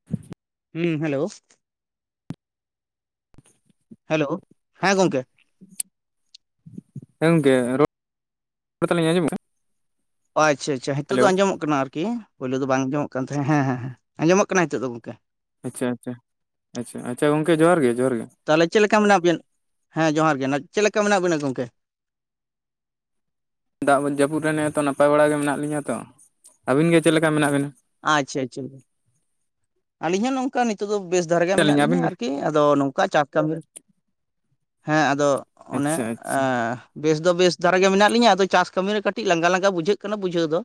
[inaudible] ᱦᱩᱸ hello. Hello ᱦᱮᱸ ᱜᱚᱢᱠᱮ᱾ ᱦᱮᱸ ᱜᱚᱝᱠᱮ ᱨᱚᱲ ᱛᱟᱞᱤᱧ [unintelligible] ᱚ ᱟᱪᱪᱷᱟ ᱟᱪᱪᱷᱟ ᱦᱤᱛᱳᱜ ᱫᱚ ᱦᱮᱞᱳ ᱟᱸᱡᱚᱢᱚᱜ ᱠᱟᱱᱟ ᱟᱨᱠᱤ, ᱯᱳᱭᱞᱳ ᱫᱚ ᱵᱟᱝ ᱟᱸᱡᱚᱢᱚᱜ ᱠᱟᱱ ᱛᱟᱦᱮᱸᱜ ᱦᱮᱸ ᱦᱮᱸ ᱦᱮᱸ ᱟᱸᱡᱚᱢᱚᱜ ᱠᱟᱱᱟ ᱦᱤᱛᱚᱜ ᱫᱚ ᱜᱚᱝᱠᱮ᱾ ᱟᱪᱪᱷᱟ ᱟᱪᱪᱷᱟ ᱟᱪᱪᱷᱟ ᱟᱪᱪᱷᱟ ᱜᱚᱝᱠᱮ ᱡᱚᱦᱟᱨ ᱜᱮ ᱡᱚᱦᱟᱨ ᱜᱮ᱾ ᱛᱟᱦᱚᱞᱮ ᱪᱮᱫ ᱞᱮᱠᱟ ᱢᱮᱱᱟᱜ ᱵᱤᱱ ᱦᱮᱸ ᱡᱚᱦᱟᱨ ᱜᱮ ᱪᱮᱫ ᱞᱮᱠᱟ ᱢᱮᱱᱟᱜ ᱵᱤᱱᱟ ᱜᱚᱝᱠᱮ? ᱫᱟᱜ ᱡᱟᱹᱯᱩᱫ ᱨᱮ ᱱᱮᱛᱚ ᱱᱟᱯᱟᱭ ᱵᱟᱲᱟ ᱜᱮ ᱢᱮᱱᱟᱜ ᱞᱤᱧᱟᱹ ᱛᱚ, ᱟᱹᱵᱤᱱ ᱜᱮ ᱪᱮᱫ ᱞᱮᱠᱟ ᱢᱮᱱᱟᱜ ᱵᱤᱱᱟ? ᱟᱪᱪᱷᱟ ᱟᱪᱪᱷᱟ᱾ ᱟᱹᱞᱤᱧ ᱦᱚᱸ ᱱᱚᱝᱠᱟ ᱱᱤᱛᱚᱜ ᱫᱚ ᱵᱮᱥ ᱫᱷᱟᱨᱟ ᱜᱮ ᱢᱮᱱᱟᱜ ᱟᱹᱞᱤᱧ ᱞᱤᱧᱟ ᱟᱹᱵᱤᱱ ᱜᱮ ᱟᱨᱠᱤ ᱟᱫᱚ ᱱᱚᱝᱠᱟ ᱪᱟᱥ ᱠᱟᱹᱢᱤ ᱦᱮᱸ ᱟᱫᱚ ᱚᱱᱮ ᱟᱪᱪᱷᱟ ᱟᱪᱪᱷᱟ ᱟᱸ ᱵᱮᱥ ᱫᱚ ᱵᱮᱥ ᱫᱷᱟᱨᱟ ᱜᱮ ᱢᱮᱱᱟᱜ ᱞᱤᱧᱟᱹ ᱟᱫᱚ ᱪᱟᱥ ᱠᱟᱹᱢᱤᱴᱤ ᱨᱮ ᱠᱟᱹᱴᱤᱡ ᱞᱟᱸᱜᱟ ᱞᱟᱸᱜᱟ ᱵᱩᱡᱷᱟᱹᱜ ᱠᱟᱱᱟ ᱵᱩᱡᱷᱟᱹᱣ ᱫᱚ,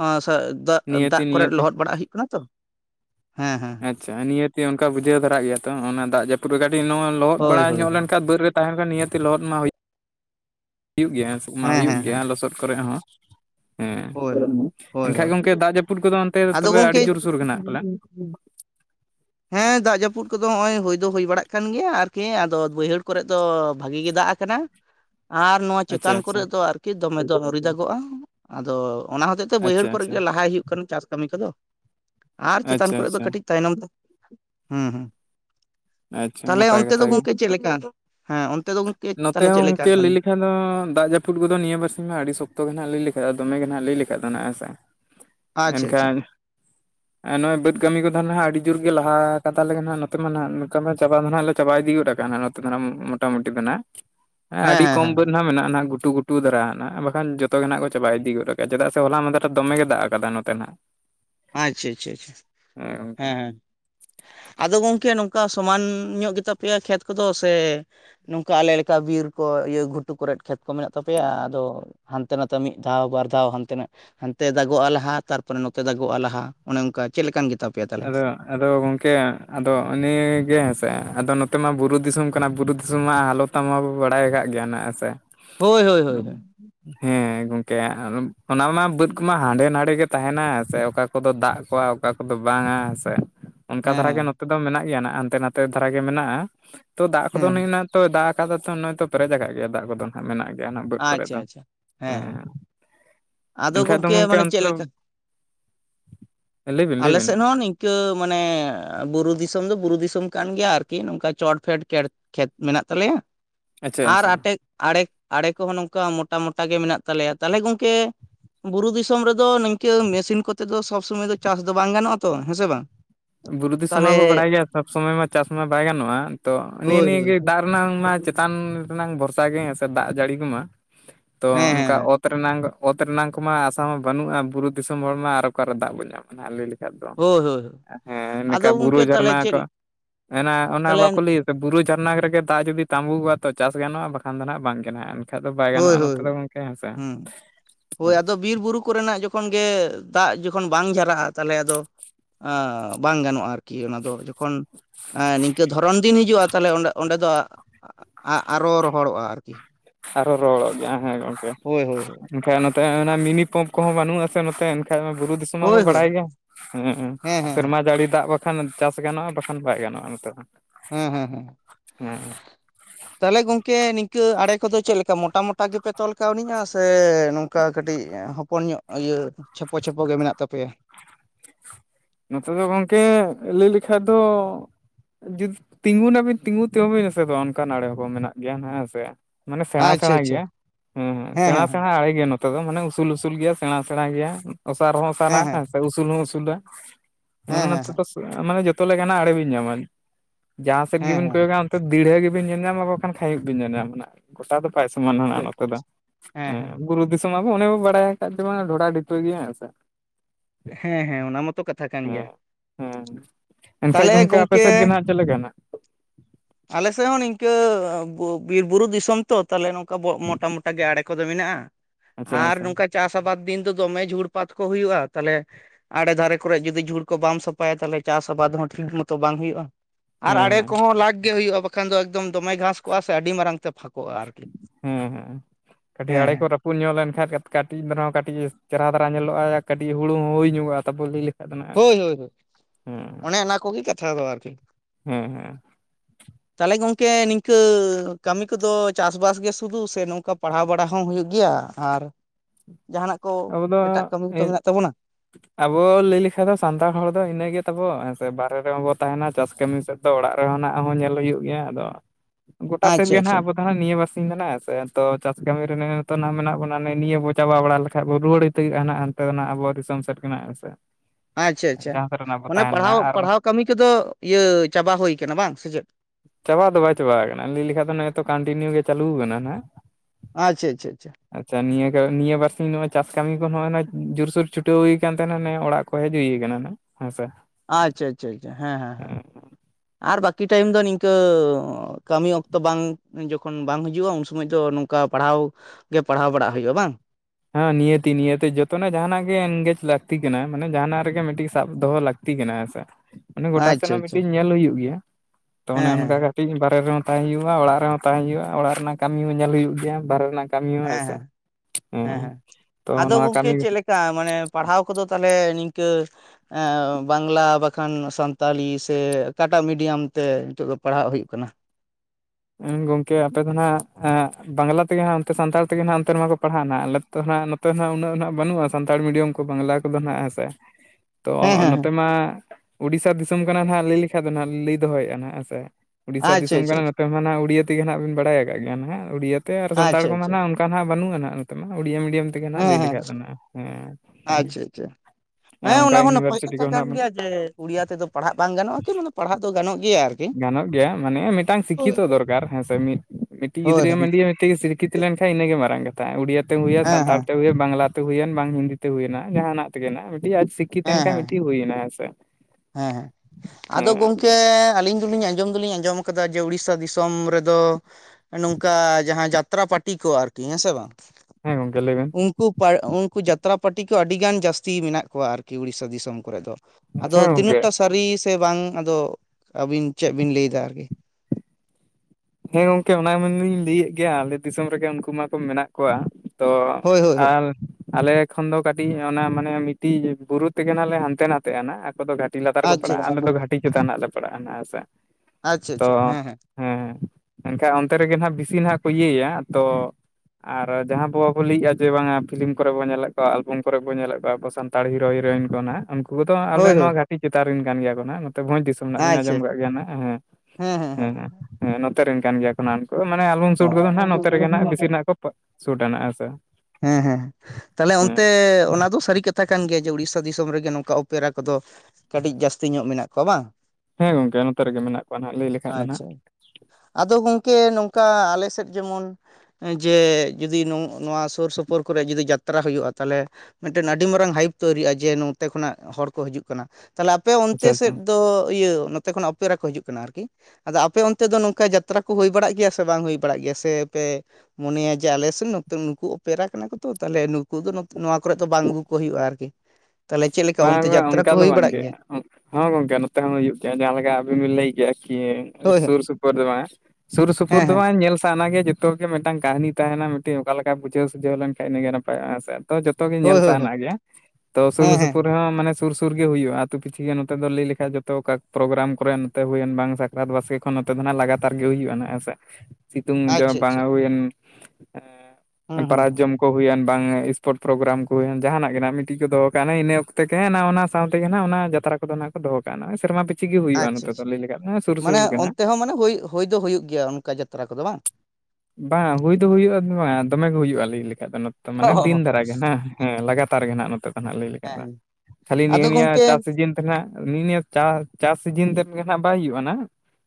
ᱚ ᱥᱚ ᱫᱚᱜ ᱱᱤᱭᱟᱹᱛᱤ ᱫᱟᱜ ᱠᱚᱨᱮ ᱱᱤᱭᱟᱹᱛᱤ ᱞᱚᱦᱚᱫ ᱵᱟᱲᱟᱜ ᱦᱩᱭᱩᱜ ᱠᱟᱱᱟ ᱛᱚ ᱦᱮᱸ ᱦᱮᱸ᱾ ᱟᱪᱪᱷᱟ ᱱᱤᱭᱟᱹᱛᱮ ᱚᱱᱠᱟ ᱵᱩᱡᱷᱟᱹᱣ ᱫᱷᱟᱨᱟᱜ ᱜᱮᱭᱟ ᱛᱚ ᱚᱱᱟ ᱫᱟᱜ ᱡᱟᱹᱯᱩᱫ ᱨᱮ ᱠᱟᱹᱴᱤᱡ ᱞᱚᱦᱚᱫ ᱦᱳᱭ ᱵᱟᱲᱟ ᱦᱳᱭ ᱧᱚᱜ ᱦᱮᱸ ᱞᱮᱱᱠᱷᱟᱱ [unintelligible] ᱨᱮ ᱛᱟᱦᱮᱸᱱ ᱠᱷᱟᱱ ᱱᱤᱭᱟᱹᱛᱮ ᱞᱚᱫ ᱢᱟ ᱦᱩᱭᱩᱜ ᱦᱩᱭᱩᱜ ᱜᱮᱭᱟ ᱦᱮᱸᱥᱮ ᱢᱟ ᱦᱩᱭᱩᱜ ᱦᱮᱸ ᱜᱮᱭᱟ ᱦᱮᱸ ᱞᱚᱥᱚᱫ ᱠᱚᱨᱮ ᱦᱚᱸ᱾ ᱦᱮᱸ ᱦᱳᱭ ᱦᱳᱭ ᱦᱳᱭ ᱮᱱᱠᱷᱟᱡ ᱦᱳᱭ ᱜᱚᱝᱠᱮ ᱫᱟᱜ ᱡᱟᱹᱯᱩᱫ ᱠᱚᱫᱚ ᱚᱱᱛᱮ ᱟᱫᱚ ᱛᱚᱵᱮ ᱜᱚᱝᱠᱮ ᱟᱹᱰᱤ ᱡᱳᱨ ᱥᱩᱨ ᱠᱟᱱᱟ ᱯᱟᱞᱮ? ᱦᱮᱸ ᱫᱟᱜ ᱡᱟᱹᱯᱩᱫ ᱠᱚᱫᱚ ᱱᱚᱸᱜᱼᱚᱭ ᱦᱳᱭ ᱫᱚ ᱦᱳᱭ ᱵᱟᱲᱟᱜ ᱠᱟᱱ ᱜᱮᱭᱟ ᱟᱨᱠᱤ ᱟᱫᱚ ᱵᱟᱹᱭᱦᱟᱹᱲ ᱠᱚᱨᱮ ᱫᱚ ᱵᱷᱟᱜᱤ ᱜᱮ ᱫᱟᱜ ᱠᱟᱱᱟ᱾ ᱟᱨ ᱱᱚᱣᱟ ᱟᱪᱪᱷᱟ ᱪᱮᱛᱟᱱ ᱟᱪᱪᱷᱟ ᱠᱚᱨᱮᱜ ᱫᱚ ᱟᱨᱠᱤ ᱫᱚᱢᱮ ᱫᱚ ᱟᱣᱨᱤ ᱫᱟᱜᱚᱜᱼᱟ, ᱟᱫᱚ ᱚᱱᱟ ᱦᱚᱛᱮᱡ ᱛᱮ ᱵᱟᱹᱭᱦᱟᱹᱲ ᱟᱪᱪᱷᱟ ᱠᱚᱨᱮ ᱟᱪᱪᱷᱟ ᱜᱮ ᱞᱟᱦᱟᱭ ᱦᱩᱭᱩᱜ ᱠᱟᱱᱟ ᱪᱟᱥ ᱠᱟᱹᱢᱤ ᱠᱚᱫᱚ, ᱟᱨ ᱪᱮᱛᱟᱱ ᱟᱪᱪᱷᱟ ᱠᱚᱨᱮ ᱫᱚ ᱟᱪᱪᱷᱟ ᱠᱟᱹᱴᱤᱡ ᱛᱟᱭᱱᱚᱢ ᱛᱮ ᱦᱩᱸ ᱦᱩᱸᱸ ᱟᱪᱪᱷᱟ ᱛᱟᱦᱞᱮ ᱱᱟᱯᱟᱭ ᱚᱱᱛᱮ ᱠᱟᱛᱷᱟ ᱫᱚ ᱜᱮ ᱜᱚᱝᱠᱮ ᱪᱮᱫᱞᱠᱟ ᱦᱮᱸ ᱚᱱ ᱛᱮ ᱫᱚ ᱜᱚᱝᱠᱮ ᱛᱟᱦᱚᱞᱮ ᱪᱮᱫ ᱞᱮᱠᱟ ᱢᱟᱱᱮ? ᱮᱱᱠᱷᱟᱱ ᱫᱚ ᱫᱟᱜ ᱡᱟᱹᱯᱩᱫ ᱠᱚᱫᱚ ᱱᱤᱭᱟᱹ ᱵᱟᱨᱥᱤᱧ ᱢᱟ ᱟᱹᱰᱤ ᱥᱚᱠᱛᱚ ᱜᱮ ᱱᱟᱦᱟᱸᱜ ᱞᱟᱹᱭ ᱞᱮᱠᱷᱟᱱ ᱫᱚᱢᱮ ᱜᱮᱦᱟᱜ ᱞᱟᱹᱭᱠᱷᱟᱡ ᱫᱚ ᱱᱟᱦᱟᱸᱜ ᱦᱟᱥᱟ [inaudible] ᱟᱪᱪᱷᱟ ᱮᱱᱠᱷᱟᱱ [inaudible] ᱱᱚᱜᱼᱚᱭ ᱵᱟᱹᱫᱽ ᱠᱟᱹᱢᱤ ᱠᱚᱫᱚ ᱱᱟᱦᱟᱸᱜ ᱟᱹᱰᱤ ᱡᱳᱨ ᱜᱮ ᱞᱟᱦᱟ ᱠᱟᱱᱛᱟᱞᱮ ᱜᱮ ᱱᱟᱸᱜ ᱱᱚᱛᱮ ᱢᱟ ᱱᱟᱸᱜ ᱪᱟᱵᱟ ᱫᱚ ᱱᱟᱸᱜ ᱞᱮ ᱪᱟᱵᱟ ᱤᱫᱤ ᱜᱚᱫ ᱠᱟᱱᱟ ᱦᱟᱸᱜ᱾ ᱢᱚᱴᱟᱢᱩᱴᱤ [inaudible] ᱦᱮᱸ ᱟᱹᱰᱤ ᱦᱮᱸ ᱠᱚᱢ ᱦᱮᱸ ᱫᱚ ᱢᱮᱱᱟᱜᱼᱟ ᱱᱟᱜ ᱜᱷᱩᱴᱩ ᱜᱩ ᱴᱩ ᱫᱟᱨᱟ‌ ᱦᱟᱱᱟᱜ ᱵᱟᱠᱷᱟᱱ ᱡᱚᱛ ᱜᱮ ᱱᱟᱦᱟᱜ ᱠᱚ ᱪᱟᱵᱟ ᱤᱫᱤᱜᱚᱫ ᱠᱟᱜᱼᱟ ᱪᱮᱫᱟᱜ ᱥᱮ ᱦᱚᱞᱟ ᱢᱟᱫᱷᱮᱨ ᱫᱚᱢᱮ ᱜᱮ ᱫᱟᱜ ᱟᱠᱟᱫᱟ ᱱᱚᱛᱮ ᱱᱟᱜ᱾ ᱟᱪᱪᱷᱟ ᱟᱪᱪᱷᱟ ᱦᱮᱸ ᱟᱫᱚ ᱜᱚᱢᱠᱮ ᱱᱚᱝᱠᱟ ᱥᱚᱢᱟᱱ ᱧᱚᱜ ᱜᱮᱛᱟ ᱯᱮᱭᱟ ᱠᱷᱮᱛ ᱠᱚᱫᱚ ᱥᱮ ᱱᱚᱝᱠᱟ ᱟᱞᱮ ᱞᱮᱠᱟ ᱵᱤᱨ ᱠᱚ ᱤᱭᱟᱹ ᱜᱷᱩᱴᱩ ᱠᱚᱨᱮᱫ ᱠᱷᱮᱛ ᱠᱚ ᱢᱮᱱᱟᱜ ᱛᱟᱯᱮᱭᱟ, ᱟᱫᱚ ᱦᱟᱱᱛᱮ ᱱᱟᱛᱮ ᱢᱤᱫ ᱫᱷᱟᱣ ᱵᱟᱨ ᱫᱷᱟᱣ ᱦᱟᱱᱛᱮ ᱱᱟᱜ ᱦᱟᱱᱛᱮ ᱫᱟᱜᱚᱜᱼᱟ ᱞᱟᱦᱟ ᱛᱟᱨᱯᱚᱨᱮ ᱱᱚᱛᱮ ᱫᱟᱜᱚᱜ ᱫᱟᱜ-ᱟ ᱞᱟᱦᱟ, ᱚᱱᱮ ᱚᱱᱠᱟ ᱪᱮᱫ ᱞᱮᱠᱟᱱ ᱜᱮ ᱟᱫᱚ ᱟᱫᱚ ᱜᱚᱝᱠᱮ ᱟᱫᱚ ᱩᱱᱤᱜᱮ ᱦᱮᱸᱥᱮ ᱟᱫᱚ ᱱᱚᱛᱮ ᱢᱟ ᱵᱩᱨᱩ ᱫᱤᱥᱚᱢ ᱠᱟᱱᱟ ᱵᱩᱨᱩ ᱫᱤᱥᱚᱢᱟᱜ ᱦᱟᱞᱚᱛ ᱴᱟ ᱢᱟᱵᱚ ᱵᱟᱲᱟᱭ ᱠᱟᱜ ᱜᱮᱭᱟ ᱦᱟᱜᱸ ᱦᱮᱸᱥᱮ᱾ ᱦᱳᱭ ᱦᱳᱭ ᱦᱳᱭ ᱦᱳᱭ ᱦᱮᱸ ᱜᱚᱝᱠᱮ ᱚᱱᱟ ᱢᱟ ᱵᱟᱹᱫᱽ ᱠᱚᱢᱟ ᱦᱟᱸᱰᱮ ᱱᱟᱰᱮ ᱜᱮ ᱛᱟᱦᱮᱱᱟ ᱥᱮ ᱚᱠᱟ ᱠᱚᱫᱚ ᱫᱟᱜ ᱠᱚᱜ-ᱟ ᱚᱠᱟ ᱠᱚ ᱟᱫᱚ ᱵᱟᱝᱟ ᱦᱮᱸ ᱥᱮ ᱚᱱᱠᱟ ᱦᱮᱸ ᱫᱷᱟᱨᱟ ᱜᱮ ᱦᱮᱸ ᱱᱚᱛᱮ ᱫᱚ ᱢᱮᱱᱟᱜ ᱜᱮᱭᱟ ᱱᱟᱜ ᱦᱟᱱᱛᱮ ᱱᱟᱛᱮ ᱫᱷᱟᱨᱟ ᱜᱮ ᱢᱮᱱᱟᱜᱼᱟ᱾ ᱛᱚ ᱫᱟᱜ ᱠᱚᱫᱚ ᱦᱮᱸ ᱱᱤᱱᱟᱜ ᱛᱚ ᱫᱟᱜ ᱟᱠᱟᱫᱟ ᱛᱚ ᱱᱚ-ᱚᱭ ᱛᱚ ᱯᱮᱨᱮᱡ ᱟᱠᱟᱫ ᱜᱮᱭᱟ ᱫᱟᱜ ᱠᱚᱫᱚ᱾ ᱢᱮᱱᱟᱜ ᱜᱮᱭᱟ ᱱᱟᱜ ᱵᱟᱹᱫᱽ ᱠᱚᱨᱮ ᱫᱚ ᱦᱮᱸ, ᱟᱫᱚ ᱮᱱᱠᱷᱟᱡ ᱫᱚ ᱜᱚᱝᱠᱮ ᱜᱚᱢᱠᱮ ᱢᱟᱱᱮ ᱚᱱᱛᱮ ᱪᱮᱫ ᱫᱚ ᱞᱮᱠᱟ ᱞᱟᱹᱭᱵᱮᱱ ᱟᱞᱮ ᱞᱟᱹᱭᱵᱮᱱ, ᱥᱮᱫ ᱦᱚᱸ ᱱᱤᱝᱠᱟᱹ ᱢᱟᱱᱮ ᱵᱩᱨᱩ ᱫᱤᱥᱚᱢ ᱫᱚ ᱵᱩᱨᱩ ᱫᱤᱥᱚᱢ- ᱠᱟᱱ ᱜᱮᱭᱟ ᱟᱨᱠᱤ ᱱᱚᱝᱠᱟ ᱪᱚᱴᱯᱷᱮᱰ ᱠᱮᱰ ᱠᱷᱮᱛ ᱢᱮᱱᱟᱜ ᱛᱟᱞᱮᱭᱟ ᱟᱪᱪᱷᱟ ᱟᱨ ᱟᱪᱪᱷᱟ ᱟᱴᱮᱫ ᱟᱲᱮ ᱟᱲᱮ ᱠᱚᱦᱚᱸ ᱱᱚᱝᱠᱟ ᱢᱚᱴᱟ ᱢᱚᱴᱟ ᱜᱮ ᱢᱮᱱᱟᱜ ᱛᱟᱞᱮᱭᱟ, ᱛᱟᱞᱦᱮ ᱜᱚᱝᱠᱮ ᱵᱩᱨᱩ ᱫᱤᱥᱚᱢ ᱨᱮᱫᱚ ᱱᱤᱝᱠᱟᱹ ᱢᱮᱥᱤᱱ ᱠᱚᱛᱮ ᱫᱚ ᱥᱚᱵᱽ ᱥᱚᱢᱚᱭ ᱫᱚ ᱪᱟᱥ ᱫᱚ ᱵᱟᱝ ᱜᱟᱱᱚᱜᱼᱟ ᱛᱚ, ᱦᱮᱸ ᱥᱮ ᱵᱟᱝ ᱵᱩᱨᱩ ᱫᱤᱥᱚᱢ ᱛᱟᱦᱚᱞᱮ ᱢᱟᱵᱚ ᱵᱟᱲᱟᱭ ᱜᱮᱭᱟ ᱥᱚᱵᱽ ᱥᱚᱢᱚᱭ ᱢᱟ ᱪᱟᱥ ᱢᱟ ᱵᱟᱭ ᱜᱟᱱᱚᱜᱼᱟ ᱛᱚ ᱱᱤᱜ ᱦᱳᱭ ᱦᱳᱭ ᱱᱤᱭᱟᱹᱜᱮ ᱫᱟᱜ ᱨᱮᱱᱟᱝ ᱢᱟ ᱪᱮᱛᱟᱱ ᱨᱮᱱᱟᱝ ᱵᱷᱚᱨᱥᱟ ᱜᱮ ᱥᱮ ᱫᱟᱜ ᱡᱟᱹᱲᱤ ᱠᱚᱢᱟ ᱛᱚ ᱦᱮᱸ ᱦᱮᱸ ᱚᱱᱠᱟ ᱦᱮᱸ ᱚᱛ ᱨᱮᱱᱟᱝ ᱚᱛ ᱨᱮᱱᱟᱝ ᱠᱚᱢᱟ ᱟᱥᱟ ᱢᱟ ᱵᱟᱹᱱᱩᱜᱼᱟ ᱵᱩᱨᱩ ᱫᱤᱥᱚᱢ ᱦᱚᱲ ᱢᱟ ᱟᱨ ᱚᱠᱟᱨᱮ ᱫᱟᱜ ᱵᱚᱱ ᱧᱟᱢᱟ ᱱᱟᱜ ᱞᱟᱹᱭ ᱞᱮᱠᱷᱟᱡ ᱫᱚ᱾ ᱦᱳᱭ ᱦᱳᱭ᱾ ᱦᱳᱭ ᱦᱮᱸ ᱟᱫᱚ ᱱᱚᱱᱝᱠᱟ ᱵᱩᱨᱩ ᱜᱚᱝᱠᱮ ᱛᱟᱦᱚᱞᱮ ᱡᱷᱟᱨᱱᱟ ᱪᱮᱫ ᱠᱚ ᱚᱱᱟ ᱛᱟᱦᱚᱞᱮ ᱵᱟᱠᱚ ᱞᱟᱹᱭ ᱥᱮ ᱵᱩᱨᱩ ᱡᱷᱟᱨᱱᱟ ᱨᱮᱜᱮ ᱫᱟᱜ ᱡᱩᱫᱤ ᱛᱟᱸᱵᱩ ᱠᱚᱼᱟ ᱛᱚ ᱪᱟᱥ ᱜᱟᱱᱚᱜᱼᱟ ᱵᱟᱠᱷᱟᱱ ᱫᱚ ᱱᱟᱦᱟᱜ ᱵᱟᱝᱜᱮ ᱦᱟᱜ ᱮᱱᱠᱷᱟᱱ, ᱵᱟᱠᱷᱟᱡ ᱫᱚ ᱵᱟᱭ ᱦᱳᱭ ᱜᱟᱱᱚᱜᱼᱟ ᱦᱳᱭ ᱱᱚᱛᱮ ᱫᱚ ᱜᱚᱝᱠᱮ ᱦᱮᱸᱥᱮ᱾ ᱦᱩᱸ ᱦᱳᱭ ᱟᱫᱚ ᱵᱤᱨ ᱵᱩᱨᱩ ᱠᱚᱨᱮ ᱱᱟᱜ ᱡᱚᱠᱷᱚᱱ ᱜᱮ ᱫᱟᱜ ᱡᱚᱠᱷᱚᱱ ᱵᱟᱝ ᱡᱷᱟᱨᱟᱜᱼᱟ ᱛᱟᱦᱚᱞᱮ ᱟᱫᱚ ᱮᱸ ᱵᱟᱝ ᱜᱟᱱᱚᱜᱼᱟ ᱟᱨᱠᱤ ᱚᱱᱟ ᱫᱚ ᱡᱚᱠᱷᱚᱱ ᱱᱤᱝᱠᱟᱹ ᱫᱷᱚᱨᱚᱱ ᱫᱤᱱ ᱦᱤᱡᱩᱜᱼᱟ ᱛᱟᱦᱚᱞᱮᱸ ᱚᱸᱰᱮ ᱫᱚ ᱟᱨᱚ ᱨᱚᱦᱚᱲᱚᱜᱼᱟ ᱟᱨᱠᱤ ᱾ ᱟᱨᱦᱚᱸ ᱨᱚᱦᱚᱲᱚᱜ ᱜᱮᱭᱟ ᱦᱮᱸ ᱜᱚᱝᱠᱮ᱾ ᱦᱳᱭ ᱦᱳᱭ᱾ ᱮᱱᱠᱟᱡ ᱱᱚᱛᱮ ᱚᱱᱟ ᱢᱤᱱᱤ ᱯᱟᱢᱯ ᱠᱚᱦᱚᱸ ᱵᱟᱹᱱᱩᱜ ᱟᱥᱮ ᱱᱚᱛᱮ ᱮᱱᱠᱷᱟᱡ ᱵᱩᱨᱩ ᱫᱤᱥᱚᱢ ᱢᱟ ᱵᱚ ᱦᱳᱭ ᱦᱳᱭ ᱵᱟᱲᱟᱭ ᱜᱮᱭᱟ ᱦᱮᱸ ᱦᱮᱸ ᱦᱮᱸ ᱥᱮᱨᱢᱟ ᱡᱟᱹᱲᱤ ᱫᱟᱜ ᱵᱟᱠᱷᱟᱱ ᱪᱟᱥ ᱜᱟᱱᱚᱜᱼᱟ ᱵᱟᱠᱷᱟᱱ ᱵᱟᱭ ᱜᱟᱱᱚᱜᱼᱟ ᱱᱚᱛᱮ ᱫᱚ᱾ ᱦᱮᱸ ᱦᱮᱸ ᱛᱟᱦᱚᱞᱮ ᱜᱚᱝᱠᱮ ᱱᱤᱝᱠᱟᱹ ᱟᱲᱮ ᱠᱚᱫᱚ ᱪᱮᱫ ᱞᱮᱠᱟ ᱢᱚᱴᱟ ᱢᱚᱴᱟ ᱜᱮᱯᱮ ᱛᱚᱞ ᱠᱟᱹᱣᱱᱤᱼᱟ ᱥᱮ ᱚᱱᱠᱟ ᱠᱟᱹᱴᱤᱡ ᱦᱚᱯᱚᱱᱧᱚᱜ ᱤᱭᱟᱹ ᱪᱷᱚᱯᱚ ᱪᱷᱟᱯᱚ ᱜᱮ ᱢᱮᱱᱟᱜ ᱛᱟᱯᱮᱭᱟ? ᱱᱚᱛᱮ ᱫᱚ ᱜᱚᱝᱠᱮ ᱞᱟᱹᱭ ᱞᱮᱠᱷᱟᱡ ᱫᱚ ᱡᱩᱫᱤ ᱛᱤᱸᱜᱩ ᱱᱟᱵᱤᱱ ᱛᱤᱸᱜᱩ ᱛᱮᱦᱚᱸ ᱵᱤᱱ ᱮᱥᱮᱫᱚᱜᱼᱟ ᱚᱱᱠᱟᱱ ᱟᱲᱮ ᱦᱚᱸ ᱢᱮᱱᱟᱜ ᱜᱮᱭᱟ ᱦᱮᱸ ᱥᱮ᱾ ᱢᱟᱱᱮ ᱥᱮᱬᱟ ᱟᱪᱪᱷᱟ ᱥᱮᱬᱟ ᱟᱪᱪᱷᱟ ᱜᱮᱭᱟ ᱦᱮᱸ ᱥᱮᱬᱟ ᱥᱮᱬᱟ ᱟᱲᱮ ᱜᱮᱭᱟ ᱱᱚᱛᱮ, ᱛᱚᱵᱮ ᱢᱟᱱᱮ ᱩᱥᱩᱞ ᱩᱥᱩᱞ ᱜᱮᱭᱟ ᱥᱮᱬᱟ ᱥᱮᱬᱟ ᱜᱮᱭᱟ ᱚᱥᱟᱨ ᱦᱚᱸ ᱚᱥᱟᱨᱟ ᱦᱮᱸ ᱥᱮ ᱩᱥᱩᱞ ᱦᱚᱸ ᱩᱥᱩᱞᱟ ᱢᱟᱱᱮ ᱦᱮᱸ ᱦᱮᱸ ᱦᱮᱸ ᱦᱮᱸ ᱟᱪᱪᱷᱟ ᱱᱚᱛᱮ ᱫᱚ ᱢᱟᱱᱮ ᱡᱚᱛᱚ ᱞᱮᱠᱟ ᱱᱟᱜ ᱟᱲᱮ ᱵᱤᱱ ᱧᱟᱢᱟ ᱡᱟᱦᱟᱸ ᱥᱮᱫ ᱜᱮᱵᱤᱱ ᱠᱚᱭᱚᱜᱟ ᱫᱤᱲᱦᱟᱹ ᱜᱮᱵᱤᱱ ᱧᱮᱞ ᱧᱟᱢᱟ ᱠᱷᱟᱱ ᱠᱷᱟᱹᱭᱤᱵ ᱵᱤᱱ ᱧᱮᱞ ᱧᱟᱢ ᱱᱟᱸᱟᱜ᱾ ᱜᱚᱴᱟ ᱫᱚ ᱵᱟᱭ ᱥᱚᱢᱟᱱ ᱦᱟᱸᱜ ᱱᱚᱛᱮ ᱟᱪᱪᱷᱟ ᱫᱚ ᱦᱮᱸ ᱵᱩᱨᱩ ᱫᱤᱥᱚᱢ ᱱᱩᱣᱟᱵᱚ ᱚᱱᱮ ᱵᱚ ᱵᱟᱲᱟᱭ ᱠᱟᱫ ᱛᱮ ᱵᱟᱝ ᱰᱚᱰᱟ ᱰᱷᱤᱯᱟᱹ ᱜᱮᱭᱟ ᱦᱮᱸ ᱥᱮ᱾ ᱦᱮᱸ ᱦᱮᱸ ᱚᱱᱟ ᱢᱚᱛᱚ ᱠᱟᱛ ᱦᱚᱸᱜ ᱦᱩᱸ ᱮᱱᱠᱷᱟᱡ ᱜᱚᱝᱠᱮ ᱟᱯᱮ ᱥᱮᱫ ᱜᱮ ᱱᱟᱦᱟᱸᱜ ᱪᱮᱫ ᱞᱮᱠᱟ ᱱᱟᱜ? ᱟᱞᱮ ᱥᱮᱫ ᱦᱚᱸ ᱱᱤᱝᱠᱟᱹ ᱵᱚᱹ ᱵᱤᱨ ᱵᱩᱨᱩ ᱫᱤᱥᱚᱢ ᱛᱚ ᱛᱟᱦᱞᱮ ᱱᱚᱝᱠᱟ ᱢᱚᱴᱟ ᱢᱚᱴᱟ ᱜᱮ ᱟᱲᱮ᱾ ᱠᱚᱫᱚ ᱢᱮᱱᱟᱜᱼᱟ ᱟᱪᱪᱷᱟ ᱟᱨ ᱟᱪᱪᱷᱟ ᱱᱚᱝᱠᱟ ᱪᱟᱥ ᱟᱵᱟᱫᱽ ᱫᱤᱱ ᱫᱚ ᱫᱚᱢᱮ ᱡᱷᱩᱲᱯᱟᱛ ᱠᱚ ᱦᱩᱭᱩᱜᱼᱟ ᱛᱟᱦᱞᱮ, ᱟᱲᱮ ᱫᱷᱟᱨᱮ ᱠᱚᱨᱮ ᱡᱩᱫᱤ ᱡᱷᱩᱲ ᱠᱚ ᱵᱟᱢ ᱥᱟᱯᱷᱟᱭᱟ ᱛᱟᱦᱞᱮ ᱪᱟᱥ ᱟᱵᱟᱫᱽ ᱦᱚᱸ ᱴᱷᱤᱠ ᱢᱚᱛᱚ ᱵᱟᱝ ᱦᱩᱭᱩᱜᱼᱟ᱾ ᱟᱨ ᱟᱲᱮ ᱦᱮᱸ ᱠᱚᱦᱚᱸ ᱞᱟᱠ ᱜᱮ ᱦᱩᱭᱩᱜᱼᱟ ᱵᱟᱠᱷᱟᱱ ᱫᱚ ᱮᱠᱫᱚᱢ ᱫᱚᱢᱮ ᱜᱷᱟᱥ ᱠᱚᱜᱼᱟ ᱥᱮ ᱟᱹᱰᱤ ᱢᱟᱨᱟᱝ ᱛᱮ ᱯᱷᱟᱸᱠ᱾ ᱦᱩᱸ ᱦᱜᱩᱸ ᱠᱟᱹᱴᱤᱡ ᱦᱮᱸ ᱟᱲᱮ ᱠᱚ ᱦᱮᱸ ᱨᱟᱯ ᱦᱩᱭ ᱧᱚᱜ ᱞᱮᱱᱠᱷᱟᱡ ᱠᱟᱹᱴᱤᱡ ᱫᱚ ᱦᱚᱸ ᱠᱟᱹᱴᱤᱡ ᱪᱮᱦᱨᱟ ᱫᱷᱟᱨᱟ ᱧᱮᱞᱚᱜᱼᱟ ᱠᱟᱹᱴᱤᱡ ᱦᱩᱲᱩ ᱦᱚᱸ ᱦᱩᱭᱧᱚᱜᱼᱟ ᱛᱟᱵᱚ ᱞᱟᱹᱭ ᱞᱮᱠᱷᱟᱡ ᱫᱚ ᱱᱟᱜ ᱦᱳᱭ ᱦᱳᱭ ᱦᱳᱭ ᱦᱮᱸ ᱚᱱᱮ ᱚᱱᱟ ᱠᱚᱜᱤ ᱠᱟᱛᱷᱟ ᱫᱚ ᱟᱨᱠᱤ᱾ ᱦᱮᱸ ᱦᱮᱸ ᱛᱟᱦᱞᱮ ᱜᱚᱝᱠᱮ ᱱᱤᱝᱠᱟᱹ ᱠᱟᱹᱢᱤ ᱠᱚᱫᱚ ᱪᱟᱥᱵᱟᱥ ᱜᱮ ᱥᱩᱫᱩ ᱥᱮ ᱱᱚᱝᱠᱟ ᱯᱟᱲᱦᱟᱣ ᱵᱟᱲᱟ ᱦᱚᱸ ᱦᱩᱭᱩᱜ ᱜᱤᱭᱟ? ᱟᱨ ᱡᱟᱦᱟᱱᱟᱜ ᱠᱚ ᱟᱵᱚ ᱫᱚ ᱮᱴᱟᱜ ᱠᱟᱹᱢᱤ ᱦᱚᱛᱚ ᱮ- ᱢᱮᱱᱟᱜ ᱛᱟᱵᱚᱱᱟ, ᱟᱵᱚ ᱞᱟᱹᱭ ᱞᱮᱠᱷᱟ ᱫᱚ ᱥᱟᱱᱛᱟᱲ ᱦᱚᱲ ᱫᱚ ᱤᱱᱟᱹ ᱜᱮ ᱛᱟᱵᱚ ᱦᱮᱸ ᱥᱮ ᱵᱟᱦᱨᱮ ᱨᱮᱦᱚᱵᱚ ᱛᱟᱦᱮᱱᱟ ᱪᱟᱥ ᱠᱟᱹᱢᱤ ᱥᱮᱫ ᱛᱚ ᱚᱲᱟᱜ ᱨᱮᱦᱚᱸᱱᱟᱜ ᱦᱚᱸ ᱧᱮᱞ ᱦᱩᱭᱩᱜ ᱜᱮᱭᱟ ᱟᱫᱚ ᱜᱚᱴᱟ ᱥᱮᱜ ᱟᱪᱪᱷᱟ ᱜᱮ ᱟᱪᱪᱷᱟ ᱱᱟᱦᱟᱜ ᱟᱵᱚ, ᱚᱱᱟ ᱦᱚ ᱱᱤᱭᱟᱹ ᱵᱟᱨᱥᱤᱧ [unintelligible] ᱥᱮ ᱛᱚ ᱪᱟᱥ ᱠᱟᱹᱢᱤ ᱨᱮ ᱱᱮ ᱱᱮ ᱛᱳᱜ ᱢᱮᱱᱟᱜ ᱵᱚᱱᱟ ᱱᱮ ᱱᱤᱭᱟᱹ ᱵᱚ ᱪᱟᱵᱟ ᱵᱟᱲᱟ ᱞᱮᱠᱷ ᱵᱟᱠᱷᱟᱡ ᱨᱩᱣᱟᱹᱲ ᱤᱛᱟᱹᱮᱟ ᱦᱟᱱᱟ ᱦᱟᱱᱛᱮ ᱚᱱᱟ ᱟᱵᱚ ᱫᱤᱥᱚᱢ ᱥᱮᱴ [unintelligible] ᱟᱪᱪᱷᱟ ᱟᱪᱪᱷᱟ ᱢᱟᱱᱮ ᱯᱟᱲᱦᱟᱣ ᱟᱨ ᱯᱟᱲᱦᱟᱣ ᱠᱟᱹᱢᱤ ᱠᱚᱫᱚ ᱤᱭᱟᱹ ᱪᱟᱵᱟ ᱦᱳᱭ ᱠᱟᱱᱟ ᱵᱟᱝ ᱥᱮ ᱪᱮᱫ? ᱪᱟᱵᱟ ᱫᱚ ᱵᱟᱭ ᱪᱟᱵᱟ ᱠᱟᱱᱟ ᱞᱟᱹᱭ ᱞᱮᱠᱷᱟᱜ ᱫᱚ ᱱᱚᱜᱭᱼᱛᱚ ᱠᱚᱱᱴᱤᱱᱤᱭᱩ ᱜᱮ ᱪᱟᱹᱞᱩ ᱟᱠᱟᱱᱟ ᱱᱟᱦᱟᱸᱜ᱾ ᱟᱪᱷᱟᱹ ᱟᱪᱷᱟᱹ ᱟᱪᱷᱟᱹ, ᱟᱪᱪᱷᱟ ᱱᱤᱭᱟᱹ ᱜᱮᱨ ᱱᱤᱭᱟᱹ ᱵᱟᱨ ᱦᱩ ᱱᱚᱜᱼᱚᱭ ᱪᱟᱥ ᱠᱟᱹᱢᱤ ᱠᱚᱦᱚ ᱱᱚᱜᱼᱚᱭ ᱡᱩᱨᱥᱩᱨ ᱪᱷᱩᱴᱟᱹᱣ ᱦᱩᱭ ᱠᱟᱱ ᱛᱟᱦᱮᱱᱟ ᱚᱱᱮ ᱚᱲᱟᱜ ᱠᱚ ᱦᱮᱡ ᱦᱩᱭ ᱱᱟᱜ ᱦᱮᱸᱥᱮ᱾ ᱟᱻ ᱪᱷᱮ ᱪᱷᱮ ᱪᱷᱮ ᱦᱮᱸ ᱦᱮᱸ ᱦᱮᱸ᱾ ᱟᱨ ᱵᱟᱹᱠᱤ ᱴᱟᱭᱤᱢ ᱫᱚ ᱱᱤᱝᱠᱟᱹ ᱠᱟᱹᱢᱤ ᱚᱠᱛᱚ ᱵᱟᱝ ᱡᱚᱠᱷᱚᱱ ᱵᱟᱝ ᱦᱤᱡᱩᱜᱼᱟ ᱩᱱ ᱥᱚᱢᱚᱭ ᱫᱚ ᱚᱱᱠᱟ ᱯᱟᱲᱦᱟᱣ ᱜᱮ ᱯᱟᱲᱦᱟᱣ ᱵᱟᱲᱟᱜ ᱦᱩᱭᱩᱜᱼᱟ ᱵᱟᱝ? ᱦᱮᱸ ᱱᱤᱭᱟᱹᱛᱤ ᱱᱤᱭᱟᱹᱛᱮ ᱡᱚᱛᱚᱱᱟᱜ ᱡᱟᱦᱟᱱᱟᱜ ᱜᱮ ᱮᱱᱜᱮᱡ ᱞᱟᱹᱠᱛᱤ ᱠᱟᱱᱟ ᱢᱟᱱᱮ ᱡᱟᱦᱟᱸᱱᱟᱜ ᱨᱮᱜᱮ ᱢᱤᱫᱴᱤᱡ ᱥᱟᱵ ᱫᱚᱦᱚ ᱞᱟᱹᱠ ᱛᱤ ᱠᱟᱱᱟ ᱦᱮᱸᱥᱮ ᱚᱱᱮ ᱜᱚᱴᱟᱥᱮᱱ ᱟᱪᱪᱷᱟ ᱦᱚᱸ ᱟᱪᱪᱷᱟ ᱢᱤᱫᱴᱤᱱ ᱧᱮᱞ ᱦᱩᱭᱩᱜ ᱜᱮᱭᱟ ᱛᱚ ᱚᱱᱮ ᱦᱮᱸ ᱦᱮᱸ ᱚᱱᱠᱟ ᱜᱮ ᱦᱮᱸ ᱦᱟᱹᱴᱤᱡ ᱵᱟᱨᱮ ᱨᱮᱦᱚ, ᱛᱟᱭ ᱦᱩᱭᱩᱜᱼᱟ ᱚᱲᱟᱜ ᱨᱮᱦᱚᱸ ᱛᱟᱭ ᱦᱩᱭᱩᱜᱼᱟ ᱚᱲᱟᱜ ᱨᱮᱱᱟᱜ ᱠᱟᱹᱢᱤ [inaudible] ᱧᱮᱞ ᱦᱩᱭᱩᱜ ᱜᱮᱭᱟ ᱵᱟᱨᱦᱨᱮ ᱨᱮᱱᱟᱜ ᱠᱟᱹᱢᱤ ᱦᱚᱸ ᱦᱮᱸ ᱥᱮ᱾ ᱦᱮᱸ ᱦᱮᱸ ᱟᱫᱚ ᱜᱚᱝᱠᱮ ᱠᱟᱹᱢᱤ ᱪᱮᱞᱮᱠᱟ ᱢᱟᱱᱮ ᱯᱟᱲᱦᱟᱣ ᱠᱚᱫᱚ ᱛᱟᱦᱚᱞᱮ ᱱᱤᱝᱠᱟᱹ ᱵᱟᱝᱞᱟ ᱵᱟᱠᱷᱟᱱ ᱥᱟᱱᱛᱟᱞᱤ ᱥᱮ ᱟᱠᱟᱴᱟᱜ ᱢᱤᱰᱤᱭᱟᱢ ᱛᱮ ᱱᱮᱛᱳᱜ ᱫᱚ ᱯᱟᱲᱦᱟᱜ ᱦᱩᱭᱩᱜ ᱠᱟᱱᱟ? ᱩᱝ ᱜᱚᱝᱠᱮ ᱟᱯᱮ ᱫᱚ ᱱᱟᱦᱟᱜ ᱟᱜ ᱵᱟᱝᱞᱟ ᱛᱮᱜᱮ ᱦᱟᱜ ᱚᱱᱛᱮ ᱥᱟᱱᱛᱟᱲ ᱛᱮᱜᱮ ᱱᱟᱦᱟᱜ ᱚᱱᱛᱮᱱ ᱨᱮᱢᱟᱠᱚ ᱯᱟᱲᱦᱟᱣ ᱮᱱᱟ ᱟᱞᱮ ᱛᱚ ᱱᱟᱦᱟᱜ ᱱᱚᱛᱮ ᱱᱟᱦᱟᱜ ᱩᱱᱟᱹᱜ ᱱᱟᱜ ᱵᱟᱹᱱᱩᱜᱼᱟ ᱥᱟᱱᱛᱟᱲ ᱢᱤᱰᱤᱭᱟᱢ ᱠᱚ ᱵᱟᱝᱞᱟ ᱠᱚᱫᱚ ᱱᱟᱦᱟᱜ ᱦᱮᱸᱥᱮ᱾ [inaudible] ᱛᱚ ᱦᱮᱸ ᱦᱮᱸ ᱱᱚᱛᱮ ᱢᱟ ᱩᱲᱤᱥᱥᱟ ᱫᱤᱥᱚᱢ ᱠᱟᱱᱟ ᱱᱟᱦᱟᱜ ᱞᱟᱹᱭ ᱞᱮᱠᱷᱟᱡ ᱫᱚ ᱦᱟᱸᱜ ᱞᱟᱹᱭ ᱫᱚᱦᱚᱭᱮᱜᱼᱟ ᱱᱟᱦᱟᱜ ᱦᱮᱸ ᱥᱮ᱾ ᱩᱲᱤᱥᱥᱟ ᱟᱪᱪᱷᱟ ᱫᱤᱥᱚᱢ ᱟᱪᱪᱷᱟ ᱠᱟᱱᱟ ᱱᱚᱛᱮ ᱢᱟ ᱱᱟᱦᱟᱜ ᱩᱲᱤᱭᱟᱹ ᱛᱮᱜᱮ ᱱᱟᱦᱟᱜ ᱵᱤᱱ ᱵᱟᱲᱟᱭ ᱟᱠᱟᱜ ᱜᱮᱭᱟ ᱱᱟᱦᱟᱜ ᱩᱲᱤᱭᱟᱹ ᱛᱮ ᱟᱨ ᱥᱟᱱᱛᱟᱲ ᱟᱪᱪᱷᱟ ᱠᱚᱢᱟ ᱟᱪᱪᱷᱟ ᱱᱟᱦᱟᱜ ᱚᱱ ᱠᱟ ᱱᱟᱦᱟᱜ ᱵᱟᱹᱱᱩᱜᱼᱟᱱᱟ ᱱᱟᱦᱟᱜ ᱱᱚᱛᱮ ᱢᱟ ᱩᱲᱤᱭᱟ ᱢᱤᱰᱟᱢ ᱦᱮᱸ ᱦᱮᱸ ᱦᱮ ᱟᱪᱷᱟᱹ ᱪᱷᱟᱹ, ᱦᱮᱸ ᱚᱱᱠᱟ ᱚᱱᱟ ᱦᱚᱸ ᱱᱟᱯᱟᱭ ᱤᱭᱩᱱᱤᱵᱷᱟᱨᱥᱤᱴᱤ ᱠᱟᱛᱷᱟ ᱠᱚ ᱠᱟᱱ ᱱᱟᱜ ᱵᱚᱱ ᱜᱮᱭᱟ ᱡᱮ ᱩᱲᱤᱭᱟ ᱛᱮᱫᱚ ᱯᱟᱲᱦᱟᱜ ᱵᱟᱝ ᱜᱟᱱᱚᱜᱼᱟ ᱠᱤ [inaudible] ᱯᱟᱲᱦᱟᱜ ᱫᱚ ᱜᱟᱱᱚᱜ ᱜᱮᱭᱟ ᱟᱨᱠᱤ᱾ ᱜᱟᱱᱚᱜ ᱜᱮᱭᱟ ᱢᱟᱱᱮ ᱢᱤᱫᱴᱟᱝ ᱥᱤᱠᱠᱷᱤᱛᱚ ᱫᱚᱨᱠᱟᱨ ᱦᱮᱸ ᱥᱮ ᱢᱤᱫ ᱢᱤᱫᱴᱤᱡ ᱦᱳᱭ ᱜᱤᱫᱽᱨᱟᱹ ᱦᱳᱭ ᱢᱤᱰᱤᱭᱟᱹ ᱛᱤᱜᱤ ᱥᱤᱨᱠᱷᱤᱛ ᱞᱮᱱᱠᱷᱟᱡ ᱤᱱᱟᱹᱜᱮ ᱢᱟᱨᱟᱝ ᱠᱟᱛᱷᱟ ᱩᱰᱤᱭᱟᱹ ᱛᱮ ᱦᱩᱭ-ᱮ ᱦᱮᱸ ᱥᱟᱱᱛᱟᱲ ᱦᱮᱸ ᱛᱮ ᱦᱩᱭᱩ-ᱮ ᱵᱟᱝᱞᱟ ᱦᱩᱭᱮᱱ ᱵᱟᱝ ᱦᱤᱱᱫᱤ ᱛᱮ ᱦᱩᱭᱱᱟ ᱡᱟᱦᱟᱱᱟᱜ ᱛᱮᱜᱮ ᱱᱟᱜ ᱢᱤᱫᱴᱤᱡ ᱟᱡ ᱥᱤᱠᱷᱤᱛᱮᱱ ᱦᱮᱸ ᱠᱷᱟᱡ ᱦᱮᱸ ᱢᱤᱫᱴᱤᱡ ᱦᱩᱭᱮᱱᱟ ᱦᱮᱸ ᱥᱮ᱾ ᱦᱮᱸ ᱦᱮᱸ ᱟᱫᱚ ᱦᱮᱸ ᱜᱚᱝᱠᱮ, ᱮᱻ ᱟᱹᱞᱤᱧ ᱫᱩᱞᱤᱧ ᱟᱸᱡᱚᱢ ᱫᱩᱞᱤᱧ ᱟᱸᱡᱚᱢ ᱠᱟᱫᱟ ᱡᱮ ᱩᱲᱤᱥᱥᱟ ᱫᱤᱥᱚᱢ ᱨᱮᱫᱚ, ᱱᱚᱝᱠᱟ ᱡᱟᱦᱟᱸ ᱡᱟᱛᱨᱟ ᱯᱟᱴᱤ ᱠᱚ ᱟᱨᱠᱤ ᱦᱮᱸ ᱥᱮ ᱵᱟᱝ᱾ ᱦᱮᱸ ᱜᱚᱝᱠᱮ ᱞᱮᱵᱮᱱ᱾ ᱩᱱᱠᱩ ᱯᱟᱭ ᱩᱱᱠᱩ ᱡᱟᱛᱨᱟ ᱯᱟᱴᱤ ᱠᱚ ᱟᱹᱰᱤ ᱜᱟᱱ ᱡᱟᱹᱥᱛᱤ ᱢᱮᱱᱟᱜ ᱠᱚᱣᱟ ᱟᱨᱠᱤ ᱩᱲᱤᱥᱥᱟ ᱫᱤᱥᱚᱢ ᱠᱚᱨᱮᱫ ᱫᱚ᱾ ᱟᱫᱚ ᱦᱮᱸ ᱜᱚᱝᱠᱮ ᱛᱤᱱᱟᱹᱜᱴᱟ ᱥᱟᱹᱨᱤ ᱥᱮ ᱵᱟᱝ ᱟᱫᱚ ᱟᱹᱵᱤᱱ ᱪᱮᱫ ᱵᱤᱱ ᱞᱟᱹᱭᱫᱟ ᱟᱨᱠᱤ? ᱦᱮᱸ ᱜᱚᱝᱠᱮ ᱚᱱᱟ ᱢᱮᱱᱫᱩᱧ ᱞᱟᱹᱭᱮᱫ ᱜᱮᱭᱟ ᱟᱞᱮ ᱫᱤᱥᱚᱢ ᱨᱮᱜᱮ ᱩᱱᱠᱩ ᱢᱟᱠᱚ ᱢᱮᱱᱟᱜ ᱠᱚᱣᱟ᱾ ᱛᱚ ᱦᱳᱭ ᱦᱳᱭ ᱦᱳᱭ ᱟᱞ ᱟᱞᱮ ᱠᱷᱚᱱ ᱫᱚ ᱠᱟᱹᱴᱤᱡ ᱚᱱᱟ ᱢᱟᱱᱮ ᱢᱤᱫᱴᱤᱡ ᱵᱩᱨᱩ ᱛᱮᱜᱮ ᱱᱟᱜ ᱞᱮ ᱦᱟᱱᱛᱮ ᱱᱟᱛᱮᱜᱼᱟ ᱱᱟᱜ ᱟᱠᱚ ᱫᱚ [unintelligible] ᱴᱤ ᱞᱟᱛᱟᱨ ᱠᱚ ᱟᱪᱪᱷᱟ ᱯᱟᱲᱟᱜᱼᱟ ᱟᱨ ᱟᱞᱮ ᱟᱪᱪᱷᱟ ᱫᱚ ᱜᱟᱹᱴᱤ ᱪᱮᱛᱟᱱ ᱱᱟᱜ ᱞᱮ ᱯᱟᱲᱟᱜᱼᱟ ᱱᱟᱜ, ᱦᱮᱸ ᱥᱮ᱾ ᱟᱪᱪᱷᱟ ᱟᱪᱷᱟ ᱦᱮᱸ ᱦᱮᱸ᱾ ᱦᱮᱸ ᱮᱱᱠᱷᱟᱱ ᱚᱱᱛᱮ ᱨᱮᱜᱮ ᱱᱟᱦᱟᱜ ᱵᱤᱥᱤ ᱱᱟᱦᱟᱜ ᱠᱚ ᱤᱭᱟᱹᱭᱟ, ᱛᱚ ᱟᱨ ᱡᱟᱦᱟᱸ ᱵᱚ ᱟᱵᱚ ᱞᱟᱹᱭᱮᱫᱼᱟ ᱡᱮ ᱵᱟᱝᱟ ᱯᱷᱤᱞᱤᱢ ᱠᱚᱨᱮ ᱵᱚᱱ ᱧᱮᱞᱮᱫ ᱠᱚᱣᱟ ᱮᱞᱵᱟᱢ ᱠᱚᱨᱮ ᱵᱚᱱ ᱧᱮᱞᱮᱫ ᱠᱚᱣᱟ ᱟᱵᱚ ᱥᱟ ᱛᱟᱲ ᱦᱤᱨᱳ ᱦᱤᱨᱳᱭᱤᱱ ᱠᱚ ᱱᱟᱦᱟᱜ ᱩᱱᱠᱩ ᱠᱚᱫᱚ ᱟᱞᱮ ᱦᱳᱭ ᱦᱳᱭ ᱱᱚᱣᱟ ᱜᱷᱟᱴᱤ ᱪᱮᱛᱟᱱ ᱨᱮᱱ ᱠᱟᱱ ᱜᱮᱭᱟᱠᱚ ᱱᱟᱦᱟᱜ ᱱᱚᱛᱮ ᱵᱷᱚᱡᱽ ᱫᱤᱥ ᱥᱚᱢ ᱱᱟᱜ ᱵᱤᱱ ᱟᱪᱪᱷᱟ ᱟᱸᱡᱚᱢ ᱠᱟᱜ ᱜᱮᱭᱟ ᱱᱟᱜ ᱦᱮᱸ, ᱦᱮᱸ ᱦᱮᱸ᱾ ᱦᱮᱸ ᱱᱚᱛᱮ ᱨᱮᱱ ᱠᱟᱱ ᱜᱮᱭᱟ ᱠᱚ ᱱᱟᱜ ᱩᱱᱠᱩ ᱢᱟᱱᱮ ᱟᱞᱵᱚᱢ ᱥᱩᱴ ᱠᱚᱫᱚ ᱱᱟᱦᱟᱜ ᱱᱚᱛᱮ ᱨᱮᱜᱮ ᱱᱟᱜ ᱵᱤᱥᱤ ᱱᱟᱜ ᱠᱚ ᱯᱟ ᱥᱩᱴᱟ ᱱᱟᱜ, ᱦᱮᱸ ᱥᱮ᱾ ᱦᱮᱸ ᱦᱮᱸ ᱦᱮᱸ᱾ ᱛᱟᱞᱦᱮ ᱦᱮᱸ ᱚᱱᱛᱮ ᱚᱱᱟ ᱫᱚ ᱥᱟᱹᱨᱤ ᱠᱟᱛᱷᱟ ᱠᱟᱱ ᱜᱮᱭᱟ ᱡᱮ ᱩᱲᱤᱥᱥᱟ ᱫᱤᱥᱚᱢ ᱨᱮᱜᱮ ᱱᱚᱝᱠᱟ ᱚᱯᱮᱨᱟ ᱠᱚᱫᱚ ᱠᱟᱹᱴᱤᱡ ᱡᱟᱹᱥᱛᱤ ᱧᱚᱜ ᱢᱮᱱᱟᱜ ᱠᱚᱣᱟ ᱵᱟᱝ? ᱦᱮᱸ ᱜᱚᱝᱠᱮ ᱱᱚᱛᱮ ᱨᱮᱜᱮ ᱢᱮᱱᱟᱜ ᱠᱚᱣᱟ ᱱᱟᱦᱟᱜ ᱞᱟᱹᱭ ᱞᱮᱠᱷᱟᱡ ᱫᱚ ᱱᱟᱦᱟᱜ᱾ ᱟᱪᱪᱷᱟ ᱟᱫᱚ ᱜᱚᱝᱠᱮ ᱱᱚᱝᱠᱟ ᱟᱞᱮ ᱥᱮᱫ ᱡᱮᱢᱚᱱ ᱡᱮ ᱡᱩᱫᱤ ᱱᱚᱜ ᱱᱚᱣᱟ ᱥᱳᱨ ᱥᱳᱯᱳᱨ ᱠᱚᱨᱮ ᱡᱩᱫᱤ ᱡᱟᱛᱨᱟ ᱦᱩᱭᱩᱜᱼᱟ ᱛᱟᱦᱞᱮ ᱢᱤᱫᱴᱮᱱ ᱟᱹᱰᱤ ᱢᱟᱨᱟᱝ ᱦᱟᱭᱤᱯ ᱛᱳᱭᱨᱤᱜᱼᱟ ᱡᱮ ᱱᱚᱛᱮ ᱠᱷᱚᱱᱟᱜ ᱦᱚᱲ ᱠᱚ ᱦᱤᱡᱩᱜ ᱠᱟᱱᱟ᱾ ᱛᱟᱦᱞᱮ ᱟᱯᱮ ᱚᱱᱛᱮ ᱟᱪᱪᱷᱟ ᱟᱪᱪᱷᱟ ᱥᱮᱫ ᱫᱚ ᱤᱭᱟᱹ ᱱᱚᱛᱮ ᱠᱷᱚᱱᱟᱜ ᱳᱯᱮᱨᱟ ᱠᱚ ᱦᱤᱡᱩᱜ ᱠᱟᱱᱟ ᱟᱨᱠᱤ᱾ ᱟᱫᱚ ᱟᱯᱮ ᱚᱱᱛᱮ ᱫᱚ ᱱᱚᱝᱠᱟ ᱡᱟᱛᱨᱟ ᱠᱚ ᱦᱩᱭ ᱵᱟᱲᱟᱜ ᱜᱮᱭᱟ ᱥᱮ ᱵᱟᱝ ᱦᱩᱭ ᱵᱟᱲᱟᱜ ᱜᱮᱭᱟ ᱥᱮ ᱯᱮ ᱢᱚᱱᱮᱭᱟ ᱡᱮ ᱟᱞᱮ ᱥᱮᱱ ᱱᱚᱛᱮ ᱱᱩᱠᱩ ᱯᱮᱨᱟ ᱠᱟᱱᱟ ᱠᱚ ᱛᱚ ᱛᱟᱦᱞᱮ ᱱᱩᱠᱩ ᱫᱚ ᱱᱚᱛ ᱱᱚᱣᱟ ᱠᱚᱨᱮᱜ ᱫᱚ ᱵᱟᱝ ᱟᱹᱜᱩ ᱠᱚ ᱦᱩᱭᱩᱜᱼᱟ ᱟᱨᱠᱤ᱾ ᱛᱟᱦᱞᱮ ᱪᱮᱫ ᱞᱮᱠᱟ ᱵᱟᱝ ᱚᱱᱛᱮ ᱵᱟᱝ ᱡᱟᱛᱨᱟ ᱠᱚ ᱚᱱᱠᱟ ᱫᱚ ᱦᱩᱭ ᱵᱟᱝ ᱵᱟᱲᱟᱜ ᱜᱮ ᱜᱮᱭᱟ? ᱦᱚᱸ ᱜᱚᱝᱠᱮ ᱱᱚᱛᱮ ᱦᱚᱸ ᱦᱩᱭᱩᱜ ᱜᱮᱭᱟ ᱡᱟᱦᱟᱸ ᱞᱮᱠᱟ ᱟᱹᱵᱤᱱ ᱵᱤᱱ ᱞᱟᱹᱭ ᱠᱮᱜᱼᱟ ᱠᱤ ᱦᱳᱭ ᱦᱳᱭ ᱥᱩᱨ ᱥᱩᱯᱩᱨ ᱫᱚ ᱵᱟᱝ-ᱟ, ᱥᱩᱨ ᱥᱩᱯᱩᱨ ᱦᱮᱸ ᱫᱚ ᱦᱮᱸ ᱵᱟᱝ ᱧᱮᱞ ᱥᱟᱱᱟ ᱜᱮᱭᱟ ᱡᱩ ᱛᱚ ᱜᱮ ᱢᱤᱫᱴᱟᱝ ᱠᱟᱹᱦᱱᱤ ᱛᱟᱦᱮᱱᱟ ᱢᱤᱫᱴᱮᱱ ᱚᱠᱟ ᱞᱮᱠᱟ ᱵᱩᱡᱷᱟᱹᱣ ᱥᱩᱡᱟᱹᱣ ᱞᱮᱱᱠᱷᱟᱡ ᱤᱱᱟᱹᱜᱮ ᱱᱟᱯᱟᱭᱚᱜᱼᱟ, ᱦᱮᱸ ᱥᱮ, ᱛᱚ ᱡᱚ ᱛᱚ ᱜᱮ ᱦᱳᱭ ᱧᱮᱞ ᱦᱳᱭ ᱥᱟᱱᱟ ᱜᱮᱭᱟ᱾ ᱛᱚ ᱥᱩᱨ ᱦᱮᱸ ᱦᱮᱸ ᱥᱩᱯᱩᱨ ᱨᱮᱦᱚᱸ ᱢᱟᱱᱮ ᱥᱩᱨ ᱥᱩᱨ ᱜᱮ ᱦᱩᱭᱩᱜᱼᱟ, ᱟᱹᱛᱩ ᱯᱤᱪᱷᱩ ᱜᱮ ᱱᱚᱛᱮ ᱫᱚ ᱞᱟᱹᱭ ᱞᱮᱠᱷᱟᱡ ᱡᱚᱛᱚ ᱚᱠᱟ ᱯᱨᱳᱜᱨᱟᱢ ᱠᱚᱨᱮ ᱱᱚ ᱛᱮ ᱦᱩᱭᱮᱱ ᱵᱟᱝ ᱥᱟᱠᱨᱟᱛ ᱵᱟᱥᱠᱮ ᱠᱷᱚᱱ ᱱᱚᱛᱮ ᱫᱚ ᱱᱟᱜ ᱞᱟᱜᱟᱛᱟᱨ ᱜᱮ ᱦᱩᱭᱩᱜᱼᱟ ᱱᱟᱜ, ᱦᱮᱸ ᱥᱮ᱾ ᱥᱤᱛᱩᱝ ᱡᱚ ᱟᱪᱪᱷᱟ ᱟᱪᱪᱷᱟ ᱵᱟᱝᱟ ᱦᱩᱭᱮᱱ ᱦᱩᱸ ᱦᱩᱸ ᱯᱟᱨᱟ ᱦᱩᱸ ᱡᱚᱢ ᱠᱚ ᱦᱩᱭᱮᱱ ᱵᱟᱝ ᱤᱥᱯᱳᱨᱴ ᱯᱨᱳᱜᱨᱟᱢ ᱠᱚ ᱦᱩᱭᱮᱱ ᱡᱟᱦᱟᱱᱟᱜ ᱜᱮ ᱱᱟᱜ ᱢᱤ ᱴᱤ ᱠᱚ ᱫᱚᱦᱚ ᱠᱟᱜᱼᱟ ᱤᱱᱟᱹ ᱚᱠᱛᱮ ᱜᱮ ᱚᱱᱟ ᱥᱟᱶᱛᱮᱜᱮ ᱱᱟᱦᱟᱜ ᱚᱱᱟ ᱡᱟᱛᱨᱟ ᱠᱚᱫᱚ ᱱᱟᱦᱟᱜ ᱠᱚ ᱫᱚᱦᱚ ᱠᱟᱜᱼᱟ᱾ ᱥᱮᱨᱢᱟ ᱯᱤ ᱥᱤ ᱜᱮ ᱦᱩᱭᱩᱜᱼᱟ ᱱᱚᱛᱮ ᱫᱚ ᱞᱟᱹᱭ ᱞᱮᱠᱷᱟᱡ ᱫᱚ ᱥᱩᱨ ᱥᱩᱨ ᱜᱮ ᱱᱟ ᱜᱷᱩᱥᱦᱤ ᱜᱮ ᱜ ᱝᱴᱫᱚ ᱢᱟᱱᱮ ᱦᱩᱭᱩᱜ ᱦᱳᱭ ᱫᱚ ᱦᱳᱭᱳᱜ ᱜᱮᱭᱟ ᱚᱱᱠᱟ ᱡᱟᱛᱨᱟ ᱠᱚᱫᱚ ᱵᱟᱝ? ᱵᱟᱝ ᱦᱩᱭ ᱫᱚ ᱦᱩᱭᱩᱜᱼᱟ ᱠᱷᱟᱡ ᱵᱟᱝ ᱫᱚᱢᱮ ᱜᱮ ᱦᱩᱭᱩᱜᱼᱟ ᱞᱟᱹᱭ ᱞᱮᱠᱷᱟᱡ ᱫᱚ ᱱᱚᱛᱮ ᱢᱟᱱᱮ ᱫᱤᱱ ᱚ ᱫᱷᱟᱨᱟ ᱜᱮ ᱦᱮ ᱦᱮᱸ ᱞᱟᱜᱟᱛᱟᱨ ᱜᱮ ᱱᱟᱦ ᱱᱤᱛᱚᱜ ᱫᱚ ᱱᱟᱜ ᱞᱟᱹᱭ ᱞᱮᱠᱷᱟᱡ ᱦᱮᱸ ᱫᱚ ᱦᱮᱸ ᱠᱷᱟᱞᱤ ᱱᱤᱜ ᱟᱫᱚ ᱱᱤᱭᱟᱹ ᱜᱚᱝᱠᱮ ᱪᱟᱥ ᱥᱤᱡᱤᱱ ᱱᱟᱜ ᱤᱱᱜ ᱱᱤᱭᱟᱹ ᱪᱟ ᱪᱟᱥ ᱥᱤᱡᱤᱱ ᱛᱮᱫᱜᱮ ᱱᱟᱜ ᱵᱟᱭ ᱦᱩᱭᱩᱜᱼᱟ ᱱᱟᱜ